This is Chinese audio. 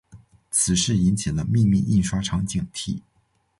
此事引起了秘密印刷厂警惕。